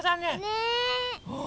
ねえ。